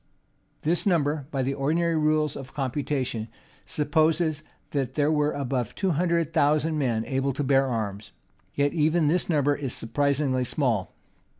This number, by the ordinary rules of computation, supposes that there were above two hundred thousand men able to bear arms. Yet even this number is surprisingly small.